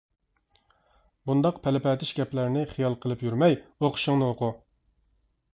بۇنداق پەلىپەتىش گەپلەرنى خىيال قىلىپ يۈرمەي ئوقۇشۇڭنى ئوقۇ.